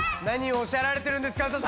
なにをおっしゃられてるんですか？